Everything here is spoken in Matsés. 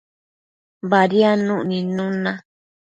Badiadnuc nidnun na